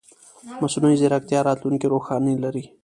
مصنوعي ځیرکتیا راتلونکې روښانه لري.